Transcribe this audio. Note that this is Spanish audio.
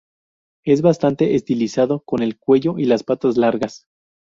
Es bastante estilizado, con el cuello y las patas largas.